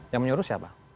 yang menyuruh siapa